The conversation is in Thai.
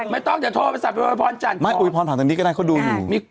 ไม่ต้องเดี๋ยวโทรฟิศาสตร์ไม่อุยพรผ่านตรงนี้ก็ได้เขาดูอยู่